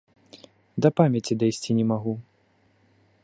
Да памяці дайсці не магу.